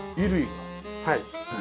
はい。